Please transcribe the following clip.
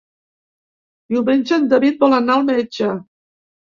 Diumenge en David vol anar al metge.